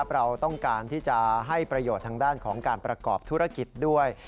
เราต้องการที่จะให้ประโยชน์ทางด้านของการประกอบธุรกิจด้วย